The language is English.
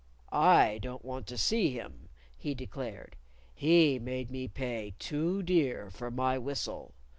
"I don't want to see him," he declared. "He made me pay too dear for my whistle."